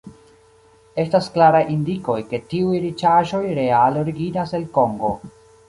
Estas klaraj indikoj, ke tiuj riĉaĵoj reale originas el Kongo.